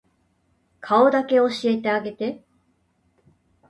顔だけ教えてあげて